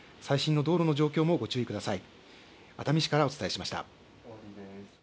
最新の道路の状況もご注意ください。